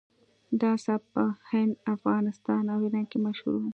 دا سبک په هند افغانستان او ایران کې مشهور و